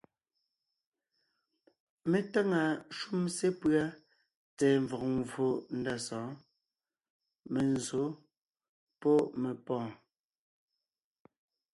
Mé táŋa shúm sepʉ́a tsɛ̀ɛ mvɔ̀g mvfò ndá sɔ̌ɔn: menzsǒ pɔ́ mepɔ̀ɔn.